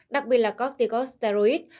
đặc biệt là corticosteroids